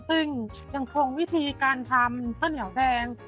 ซึ่งยังคงวิธีการทำข้าวเหนียวแดง